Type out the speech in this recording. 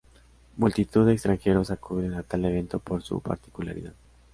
Multitud de extranjeros acuden a tal evento por su particularidad.